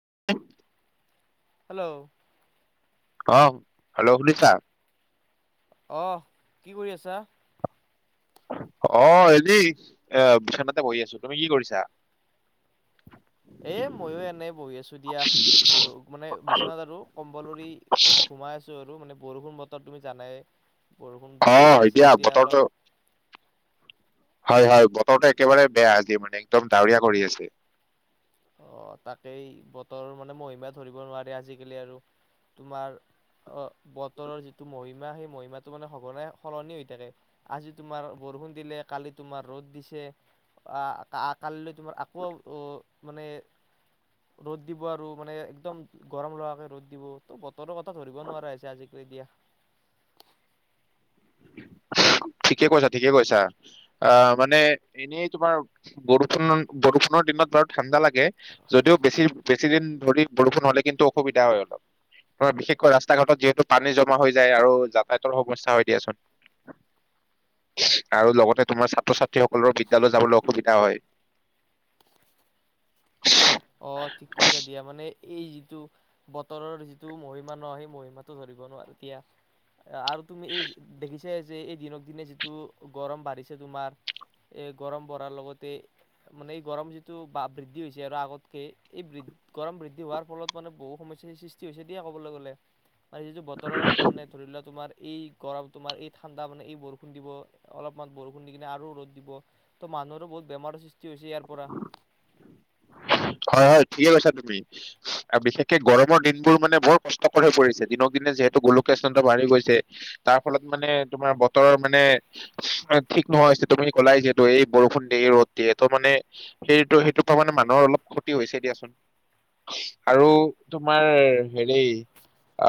[inaudible] Hello. অ' hello শুনিছা। আহ কি কৰি আছা? অ' হেৰি এ বিশনাতে বহি আছো, তুমি কি কৰিছা? এ মইও এনে বহি আছো দিয়া মানে বি্বনাথ আৰু কম্বলৰি ঘোমাই আছো আৰু মানে বৰষুণ বতৰ তুমি জানায়ে বৰষুণ অ বৰষুণ দিছে এতিয়া বতৰটো অলপ হয় হয় বতৰটো একেবাৰে বেয়া আজি মানে একদম ডাৱৰীয়া কৰি আছে। অ তাকেই বতৰৰ মানে মহিমা ধৰিব নোৱাৰে আজিকালি আৰু তোমাৰ অ বতৰৰ যিটো মহিমা সেই মহিমাটো মানে সঘনাই সলনি হৈ থাকে আজি তোমাৰ বৰষুণ দিলে কালি তোমাৰ ৰ'দ দিছে আহ কালিলৈ তোমাৰ আকৌ অ মানে ৰ'দ দিব আৰু মানে একদম গৰম লগাকে ৰ'দ দিব তো বতৰৰ কথা ধৰিব নোৱাৰা হৈছে আজিকালি দিয়য়া ঠিকে কৈছা ঠিকে কৈছা আহ মানে এনেই তোমাৰ বৰষুণ বৰষুণৰ দিনত বাৰু ঠাণ্ডা লাগে যদিও বেছি বেছিদিন ধৰি বৰষুণ হলে কিন্তু অসুবিধা হয় অলপ ধ বিশেষকৈ ৰাস্তা ঘাটত যিহেতু পানী জমা হৈ যায় আৰু যাতায়তৰ সমস্যা হয় দিয়াচোন আৰু লগতে তোমাৰ ছাত্ৰ ছাত্ৰীসকলৰ বিদ্যালয় যাবলৈ অসুবিধা হয়। অ' ঠিক কৈছা দিয়া মানে এই যিটো বতৰৰ যিটো মহিমা ন সেই মহিমাটো ধৰিব নোৱাৰোঁ এতিয়া আৰু তুমি এই দেখিছা যে এই দিনক দিনে যিটো গৰম বাঢ়িছে তোমাৰ এই গৰম বঢ়াৰ লগতে মানে এই গৰম যিটো বা বৃদ্ধি হৈছে আৰু আগত এই বৃ গৰম বৃদ্ধি হোৱাৰ ফলত মানে বহু সমস্যাৰ সৃষ্টি হৈছে দিয়ে কবলৈ গ'লে। আৰু যিটো বতৰৰ মানে ধৰি লোৱা তোমাৰ, এই গৰম তোমাৰ এই ঠাণ্ডা মানে এই বৰষুণ দিব অলপমান বৰষুণ দি কিনে আৰু ৰ'দ দিব ত' মানুহৰো বহুত বেমাৰৰ সৃষ্টি হৈছে ইয়াৰ পৰা। হয় হয় ঠিকেই কৈছা তুমি বিশেষকে গৰমৰ দিনবোৰ মানে বৰ কষ্টকৰ হৈ পৰিছে দিনক দিনে যিহেতু গোলকীয়া উষ্ণতা বাঢ়ি গৈছে তাৰ ফলত মানে তোমাৰ বতৰৰ মানে ঠিক নোহোৱা হৈছে তুমি ক'লাই যিহেতু এই বৰষুণ দিয়ে ৰ'দ দিয়ে ত মানে সেইটো সেইটো পৰা মানে মানুহৰ অলপ, ক্ষতি হৈছে দিয়াচোন আৰু তোমাৰ হেৰি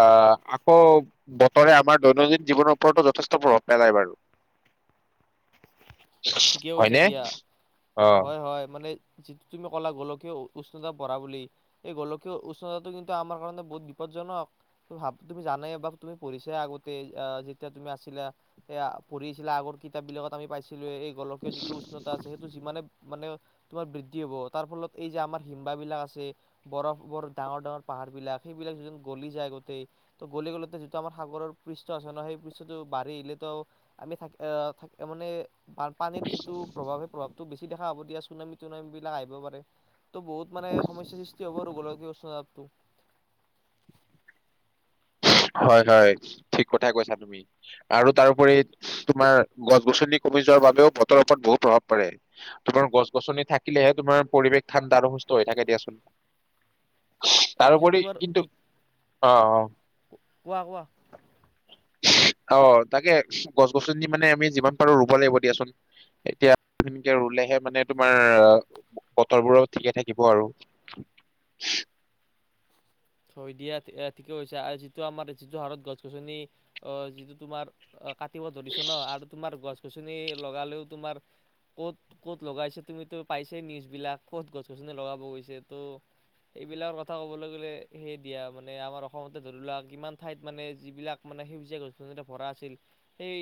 আহ আকৌ বতৰে আমাৰ দৈনন্দিন জীৱনৰ ওপৰতো যথেষ্ট প্ৰভাৱ পেলায় বাৰু, ঠিকে কৈছে হয়নে দিয়া অ হয় হয় মানে। যিটো তুমি ক'লা গোলকীয় উষ্ণতা পঢ়া বুলি এই গোলকীয় উষ্ণতাটো কিন্তু আমাৰ কাৰণে বহুত বিপদজনক ভ তুমি জানে ব তুমি পঢ়িছা আগতে যেতিয়া তুমি আছিলা এয়া পঢ়ি আছিলা আগৰ কিতাপ বিলাকত আমি পাইছিলো, গোলকীয় যিটো উষ্ণতা আছে সেইটো যিমানে মানে, তোমাৰ বৃদ্ধি হব তাৰ ফলত এই যে আমাৰ হিম্ব বিলাক আছে বৰফ বৰ ডাঙৰ ডাঙৰ পাহাৰ বিলাক সেইবিলাক যি গলি যায় গোটেই ত গলি গ'লেতে যিটো আমাৰ সাগৰৰ পৃষ্ঠ আছে ন সেই পৃষ্ঠটো বাঢ়ি আহিলেতো আমি থাকি আহ থ মানে পানীৰ যিটো প্ৰভাৱ সেই প্ৰভাৱটো বেছি দেখা এতিয়া চুনামী তুনামি বিলাক আহিব পাৰে। তো বহুত মানে সমস্যা সৃষ্টি হ'ব আৰু গোলকীয় উষ্ণতা, হয় হয় ঠিক কথাই কৈছা তুমি আৰু তাৰোপৰি তোমাৰ গছ গছনি কমি যোৱাৰ বাবেও বতৰৰ ওপৰত বহুত প্ৰভাৱ পাৰে তোমাৰ গছ গছনি থাকিলেহে তোমাৰ পৰিৱেশ ঠাণ্ডা আৰু সুস্থ হৈ থাকে দিয়াচোন। সেইটো তাৰোপৰি বাৰু কিন্তু, অ', অ', ৱাহ ৱাহ। অ' তাকে গছ গছনি মানে আমি যিমান পাৰো ৰুব লাগিব দিয়াচোনদ, এতিয়া সকে ৰুলেহে মানে তোমাৰ বতৰবোৰ ঠিকে থাকিব আৰু। হয় দিয়া ঠিকে হৈছে আৰু যিটো আমাৰ যিটো হাৰত গছ গছনি আহ যিটো তোমাৰ ক কাতিব ধৰিছো ন আৰু তোমাৰ গছ গছ গছনি লগালেও তোমাৰ ক'ত ক'ত লগাইছে, তুমিতো পাইছেই নিউজবিলাক, ক'ত গছ গছনি লগাব গৈছে, ত' এইবিলাকৰ কথা ক'বলৈ গ'লে সেই দিয়া মানে, আমাৰ অসমতে ধৰি লোৱা, কিমান ঠাইত মানে যিবিলাক মানে সেউজীয়া গছতে ভৰা আছিল, সেই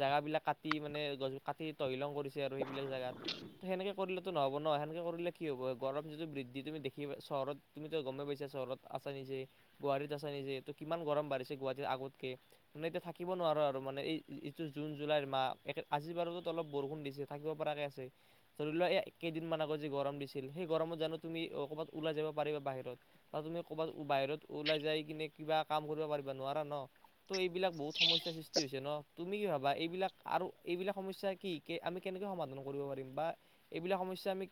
জোগাবিলাক কাটি মানে, গছ কাটি তহিলং কৰি আৰু সেইবিলাক জোগাত, ত' সেনেকে কৰি নহ'ব ন, সেনেকে কৰিলে কি হ'ব, গৰম যিটো বৃদ্ধি তুমি দেখিবা চহৰত, তুমি তু' গম পাইা চহৰত আছা নিজে, গুৱাহাটীত আছা নিজে, ত' কিমান গৰম বাঢ়িছে গুৱাহাটীত আগতকে, মানে এতিয়া থাকিব নোৱাৰো আৰু, মানে এই এইটো জুন জুলাইৰ মাহ, আজি বাৰু অলপ বৰষুণ দিছে, থাকিব পৰাকে আছে, ধৰি লোৱাক এই কেইদিন মমান আগত যি গৰম দিছিল, সেই গৰমত জানো তুমি ক'ৰবাত ওলাই যাব পাৰিবা বাহিৰত, ত' তুমি ক'ৰবাত বাহিৰত ওলাই য কিনে কিবা কাম কৰিব পাৰিবা, নোৱাৰা ন। ত' এইবিলাক বহুত সমস্যাৰ সৃষ্টি হৈছে ন, তুমি কি ভাবা, এইবিলাক আৰু এইবিলাক সমস্যা, কি কি, আমি কেনেকৈ সমাধান কৰিব পাৰিম বা এইবিলাক সমস্যা আমি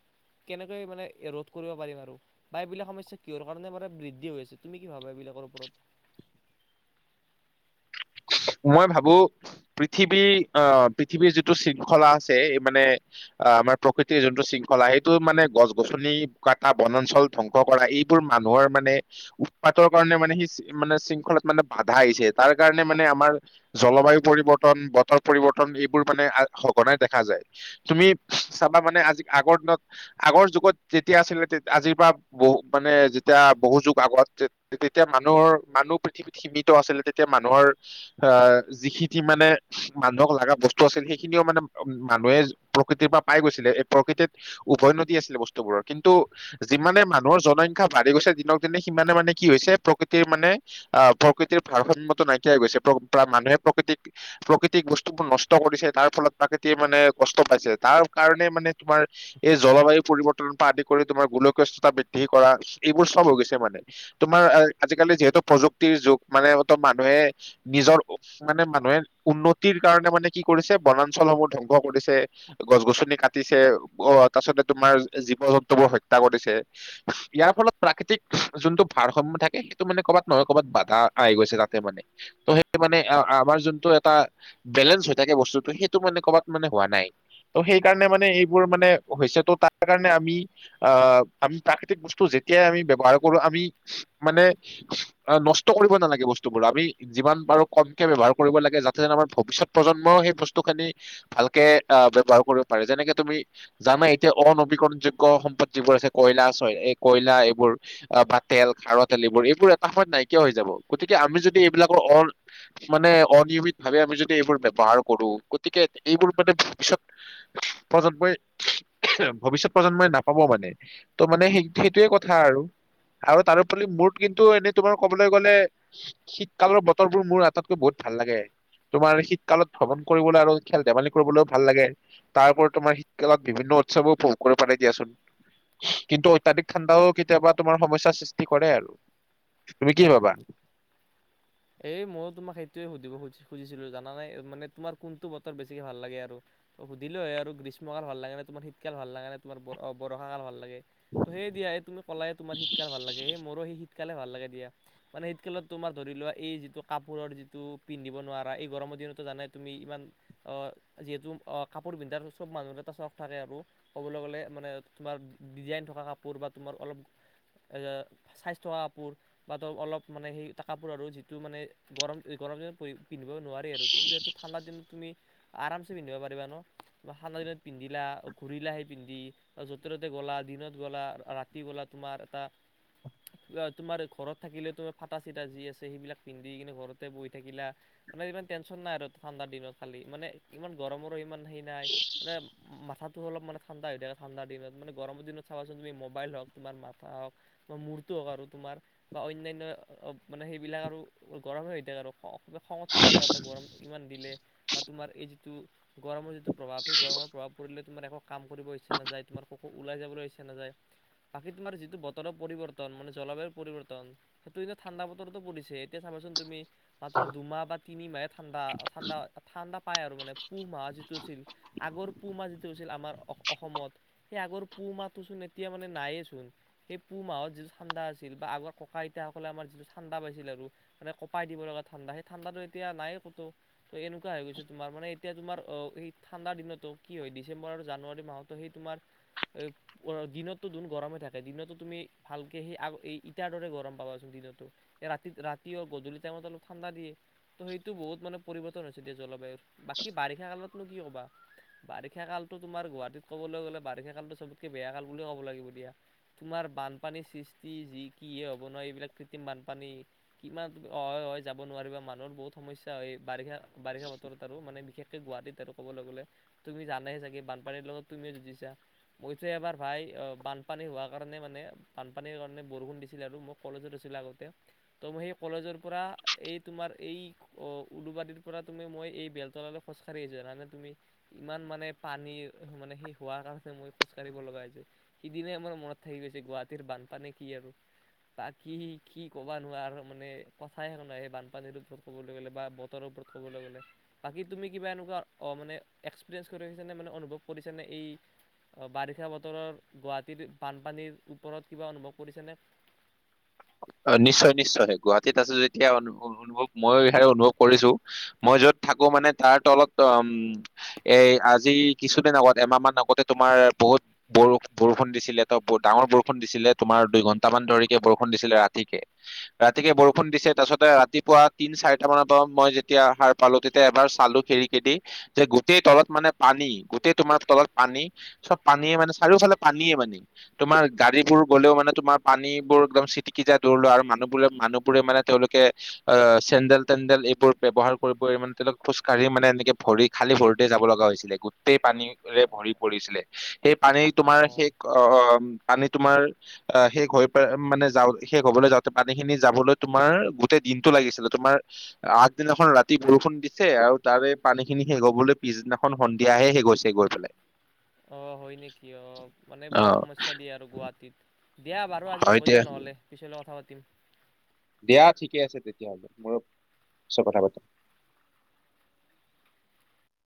কেনেকৈ মানে ৰোধ কৰিব পাৰিম আৰু, বা এইবিলাক সমস্যা কিহৰ কাৰণে মে বৃদ্ধি হৈ আছে, তুমি কি ভাবা এইবিলাকৰ ওপৰত? মই ভাবো পৃথিৱীৰ আহ পৃথিৱীৰ যিটো শৃংখলা আছে, এই মানে আমাৰ প্ৰকৃতিৰ যোনটো শৃংখলা, সেইটো মানে গছ গছনি কাটা, বনাঞ্চল ধ্বংস কৰা, এইবোৰ মানুহৰ মানে উৎপাতৰ কাৰণে মানে সি মানে শৃংখলাত মানে বাধা আহিছে, তাৰ কাৰণে মানে আমাৰ জলবায়ু পৰিৱৰ্তন, বতৰ পৰিৱৰ্তন, এইবোৰ মানে সঘনাই দেখা যায়, তুমি চাবা মানে আজি আগৰ দিনত, আগৰ যুগত, যেতিয়া আছিলে আজিৰ পৰা বহু মানে যেতিয়া বহু যুগ আগত তেতিয়া মানুহৰ, মানুহ পৃথিৱীত সীমিত আছিলে তেতিয়া মানুহৰ আহ যিখিনি মানে মানুহক লগা বস্তু আছিল সেইখিনিও মানে উ মানুহে প্ৰকৃতিৰ পৰা পাই গৈছিলে, এই প্ৰকৃতিত উভৈ নদী আছিলে বস্তুবোৰৰ, কিন্তু যিমানে মানুহৰ জনসংখ্যা বাঢ়ি গৈছে দিনক দিনে, সিমানে মানে কি হৈছে প্ৰকৃতিৰ মানে আহ প্ৰকৃতিৰ ভাৰসাম্য়ত নাই গৈছে, মানুহে প্ৰাকৃতিক প্ৰাকৃতিক বস্তুবোৰ নষ্ট কৰিছে, তাৰ ফলত প্ৰাকৃতিয়ে মানে কষ্ট পাইছে, তাৰ কাৰণে মানে তোমাৰ এই জলবায়ু পৰিৱৰ্তনৰ পৰা আদি কৰি তোমাৰ গোলকসতা বৃদ্ধি কৰা, এইবোৰ চব হৈ গৈছে মানে, তোমাৰ আজিকালি যিহেতু প্ৰযুক্তিৰ যুগ, ত' মানেহে নিজৰ মানে মানুহে উন্নতিৰ কাৰণে মানে কি কৰিছে, বনাঞ্চলসমূহ ধ্বংস কৰিছে, গছ গছনি কাটিছে, আহ তাৰছতে তোমাৰ জীৱ জন্তু বোৰ হত্যা কৰিছে, ইয়াৰ ফলত প্ৰাকৃতিক যোনটো ভাৰসমাম্য় থাকে, সেইটো মানে ক'ৰবাত নহয় ক'ৰবাত বাধা আহি গৈছে তাতে মানে। ত সেই মানে আমাৰ যোনটো এটা বেলেঞ্চ হৈ থাকে বস্তুটো, সেইটো মানে কৰ'বাত মানে হোৱা নাই, ত সেইকাৰণে মানে এইবোৰ মানে হৈছে ত' তাৰ কাৰণে আমি, আহ, আমি প্ৰাকৃতিক বস্তু যেতিয়াই আমি ব্য্ৱহাৰ কৰো আমি মানে নষ্ট কৰিব নালাগে বস্তুবোৰ, আমি যিমান বাৰু কমকে ব ব্যৱহাৰ কৰিব লাগে যাতে আমাৰ ভৱিষ্যত প্ৰজন্মইও সেই বস্তু খিনি ভালকে আহ ব্য্ৱহাৰ কৰিব পাৰে, যেনেকে তুমি জানা এতিয়া অনবীকৰণ যোগ্য়, সম্পদ যিবোৰ আছে কয়লা এই, কয়লা এইবোৰ, বা তেল খাৰ, তেল এইবোৰ, এইবোৰ এটা সময়ত নাইকিয়া হৈ যাব, গতিকে আমি যদি এইবিলাক মানে অনিয়মিত ভাৱে আমি যদি এইবোৰ ব্ৱহাৰ কৰো, গতিকে এইবোৰ মানে ভৱিষয়ত প্ৰজন্মই ভৱিষয়ত প্ৰজন্মই নাপাব মানে, ত' মানে সেই সেইটোয়ে কথা আৰু, আৰু তাৰপৰি মোৰ কিন্তু এনেই তোমাৰ কবলৈ গ'লে শীতকালৰ বতৰবোৰ মোৰ আটতকৈ বহুত ভাল লাগে, তোমাৰ শীতকালত ভ্ৰমণ কৰিবলৈ আৰু খেল ধেমালি কৰিবলৈও ভাল লাগে, তাৰপৰি তোমাৰ শীতকালত বিভিন্ন উৎসৱো উপভোগ কৰিব পাৰে দিয়াচোন, কিন্তু অত্যাধিক ঠাণ্ডাও কেতিয়াবা তোমাৰ সমস্যাৰ সৃষ্টি কৰে আৰু। তুমি কি ভাবা? এই ময়ো তোমাক সেইটয়ে সুধিব সুজিছিলো জানা নে, মানে তোমাৰ কোনটো বতৰ বেছিকে ভাল লাগে আৰু, সুধিলো হয় আৰু, গ্ৰীষ্মকাল ভাল লাগে নে, তোমাৰ শীতকাল ভাল লাগে নে, তোমাৰ বৰষাকাল ভাল লাগে। হয়েই দিয়া, এই তুমি কলাই তোমাৰ শীতকাল ভাল লাগে, মোৰো সেই শীত শীতকালে ভাল লাগে দিয়া, মানে শীতকালত তোমাৰ ধৰি লোৱা এই যিটো কাপোৰৰ যিটো পিন্ধিব নোৱাৰা, এই গৰমৰ দিনতো জানে তুমি ইমান যিহেতু কাপোৰ পিন্ধাৰ চব মানুহৰ এটা চখ থাকে আৰু, ক'বলৈ গ'লে মানে তোমাৰ ডিজাইন থকা কাপোৰ, বা তোমাৰ অলপ ছাইজ থকা কাপোৰ, বা তো অলপ মানে সেই কাপোৰ আৰু যি মানে গৰম গৰম দিনত পিন্ধিব নোৱাৰি আৰু কিন্তু সেইটো ঠাণ্ডা দিনত তুমি আৰাম চে পিন্ধিব পাৰিবা ন, ঠাণ্ডা দিনত পিন্ধিলা, ঘূৰিলা সে পিন্ধি, য'তে ত'তে গ'লা, দিনত গ'লা, ৰাতি গলা, তোমাৰ এটা তোমাৰ ঘৰত থাকিলেও, তোমাৰ ফাটা চিটা যি আছে সেইবিলাক পিন্ধি কিনি ঘৰতে বহি থাকিলা, মানে ইমান টেনচন নাই আৰু ঠাণ্ডাৰ দিনত খালি, মানে ইমান গৰমত ইমান হি নাই, মানে মাথাটো অলপ মানে ঠাণ্ডা হৈ থাকে ঠাণ্ডা দিনত, মানে গৰমৰ দিনত চাবাচোন তুমি মোবাইল হওক, তোমাৰ মাথা হওক, তোমাৰ মূৰটো হওক, আৰু তোমাৰ বা অন্যান্য অ মানে সেইবিলাক আৰু গৰমে হৈ থাকে আৰু বা খঙত থকা যাতে গৰম ইমান দিলে বা তোমাৰ এই যিটো গৰমৰ যিটো প্ৰভাৱ সেই গৰমৰ প্ৰভাৱ পৰিলে তোমাৰ একো কাম কৰিব ইচ্ছা নাযায়, তোমাৰ কোকো ওলাই যাবলৈ ইচ্ছা নাযায়, বাকী তোমাৰ যিটো বতৰৰ পৰিৱৰ্তন মানে জলবায়ুৰ পৰিৱৰ্তন সেইটো এ ঠাণ্ডা বতৰতো পৰিছে এতেয়া চাবাচোন তুমি মাত্ৰ দুমাহ বা তিনিমাহে ঠাণ্ডা, ঠাণ্ডা, ঠাণ্ডা পায় আৰু, মানে পুহ মাহ যিটো আছিল, আগৰ পুহ মাহ যিটো আছিল আমাৰ অসমত সেই আগৰ পুহ মাহটোচোন এতিয়া মানে নায়েইচোন, সেই পুহ মাহত যিটো ঠাণ্দা আছিল বা আগৰ ককা আইতাসকলে আমাৰ যিটো ঠাণ্দা পাইছিল আৰু মানে কপাই দিব লগা ঠাণ্ডা, সেই ঠাণ্ডাটো এতিয়া নাই কতো, ত' এনেকুৱা হৈ গৈছে তোমাৰ, মানে এতিয়া তোমাৰ আহ সেই ঠাণ্ডাৰ দিনতো কি হয় ডিচেম্বৰ আৰু জানুৱাৰী মাহতো সেই তোমাৰ, এ দিনতো ধোন গৰমে থাকে, দিনতো তুমি ভালকে সেই, ইটাৰ দৰে গৰম পাবাচোন দিনতো, ৰাতি গধূলি টাইমত অলপ ঠাণ্ডা দিয়ে ত' সেইটো বহুত মানে পৰিৱৰ্তন হৈছেদিয়া জলবায়ুৰ। বাকী বাৰিষা কালত নো কি কবা, বাৰিষা কালটো তোমাৰ গুৱাহাটীত কবলৈ গ'লে, বাৰিষা কালটো চবতকে বেয়া কাল বুলে ক'ব লাগিব দিয়া, তোমাৰ বানপানীৰ সৃষ্টি যি কিহে হ'ব নোৱাৰি এইবিলাক কৃত্ৰিম বানপানী কিমান, হয়-হয় যাব নোৱাৰিবা, মানুহৰ বহুত সমস্যা হয়, বাৰিষা বাৰিষা বতৰত আৰু মানে বিশেষ গুৱাহাটীত আৰু কবলৈ গলে, তুমি জানাই চাগে বানপানীৰ লগত তুমিও যুজিছা, মইতো এবাৰ ভাই আহ বানপানী হোৱাৰ কাৰণে মানে, বানপানীৰ কাৰণে বৰষুণ দিছিলে আৰু মই কলেজত আছিলো আগতে তমি সেই কলেজৰ পৰা এই তোমাৰ এই উলুবাদিৰ পৰা তুমি মই এই বেলতলালৈ খোজকাঢ়ি আহিছোৱা জানানে তুমি, ইমান মানে পানীৰ মানে সেই হোৱাৰ কাৰণে মই খোজ কঢ়িব লগা হৈছে, সিদিনাই মোৰ মনত থাকি গৈছে গুৱাহাটীৰ বানপানী কি আৰু, বাকি কি ক'বা মানে কথাইে নেই বানপানীৰ ওপৰত ক'বলৈ গলে বা বতৰৰ ওপৰত ক'বলৈ গ'লে, বাকী তুমি কিবা এনেকুৱা মানে এক্সপিৰিয়েঞ্চ কৰি ৰাখিছ নে মানে অনুভৱ কৰিছ নে, এই বাৰিষা বতৰৰ গুৱাহাটীৰ বানপানীৰ ওপৰত কিবা অনুভৱ কৰিছ নে অ' নিশ্চয় নিশ্চয় গুৱাহাটীত আছো যেতিয়া অনুভৱ মই অনুভৱ কৰিছো, মই যত থাকো মানে তাৰ তলত অ, এ' আজি কিছুদিন আগত এমাহ মান আগতে তোমাৰ বহুত বৰ বৰষুণ দিছিলে, ত' ব ডাঙৰ বৰষুণ দিছিলে, তোমাৰ দুইঘন্টামান ধৰিকে বৰষুণ বৰষুণ দিছিলে ৰাতিকে ৰাতিকে বৰষুণ দিছে তাৰ পাছতে ৰাতিপুৱা তিন চাৰিটা মানৰ পৰা মই যেতিয়া সাৰ পালো তেতিয়া এবাৰ চালো খিৰকি কেদি যে গোটেই তলত মানে পানী গোটেই তোমাৰ তলত পানী চব পানীয়ে মানে চাৰিওফালে পানীয়ে মানে তোমাৰ গাড়ী বোৰ গ'লেও মানে তোমাৰ পানীবোৰ একদম চিটিকি যাই দুৱলৈ আৰু মানুহবোৰে মানুহবোৰে মানে তেওঁলোকে আহ চেণ্ডেল তেণ্ডেল এইবোৰ ব্যৱহাৰ কৰিব মানে তেওঁলোক খোজ কাঢ়ি মানে এনেকে ভৰি খালী ভৰিতে যাব লগা হৈছিলে গোটেই পানীৰে ভৰি পৰিছিলে। সেই পানী তোমাৰ অঁ সেই পানী তোমাৰ আ শেষ হৈ পেল মানে যা শেষ হবলৈ যাওঁতে পানী খিনি যাবলৈ তোমাৰ গোটেই দিনটো লাগিছিলে তোমাৰ আগদিনাখন ৰাতি বৰষুণ দিছে আৰু তাৰে পানী খিনি শেষ হবলৈ পিছদিনাখন সন্ধিয়াহে শেষ হৈছে গৈ পেলাই। অঁ হয় নেকি অঁ মানে অ বহুত সমস্যা দিয়ে আৰু গুৱাহাটীত। দিয়া বাৰু আজি হয় হ'ব দিয়া দা নহলে পিছলৈ কথা পাতিম। [inaudible] দিয়া ঠিকে আছে তেতিয়াহলে মৰু পিছত কথা পাতিম।